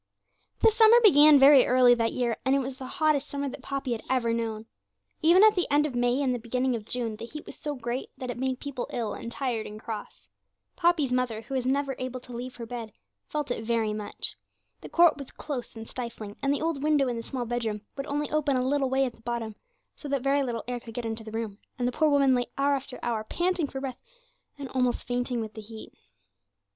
The summer began very early that year, and it was the hottest summer that Poppy had ever known. Even at the end of May and the beginning of June the heat was so great that it made people ill and tired and cross. Poppy's mother, who was never able to leave her bed, felt it very much. The court was close and stifling, and the old window in the small bedroom would only open a little way at the bottom, so that very little air could get into the room, and the poor woman lay hour after hour panting for breath, and almost fainting with the heat.